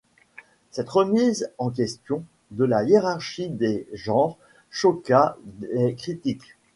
Cette remise en question de la hiérarchie des genres choqua les critiques.